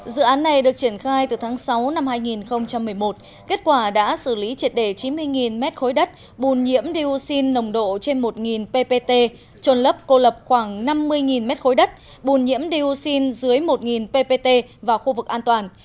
dự án này được triển khai từ tháng sáu năm hai nghìn một mươi một kết quả đã xử lý triệt đề chín mươi mét khối đất bùn nhiễm dioxin nồng độ trên một ppt trôn lấp cô lập khoảng năm mươi mét khối đất bùn nhiễm dioxin dưới một ppt vào khu vực an toàn